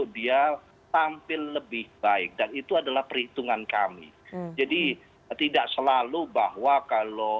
dan saya ingin mengucapkan